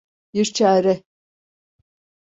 Bir çare…